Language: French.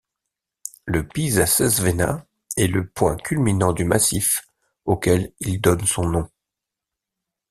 Le Piz Sesvenna est le point culminant du massif, auquel il donne son nom.